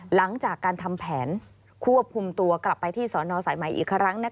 หลังจากการทำแผนควบคุมตัวกลับไปที่สอนอสายใหม่อีกครั้ง